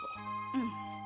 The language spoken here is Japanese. うん。